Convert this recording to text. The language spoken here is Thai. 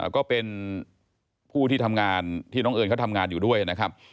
ก็เป็นผู้ที่ทำงานที่น้องเอิญเขาทำงานอยู่ด้วยนะครับ